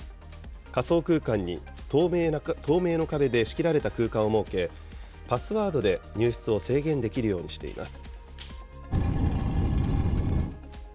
仮想空間に透明の壁で仕切られた空間を設け、パスワードで入室を制限できるようにしています。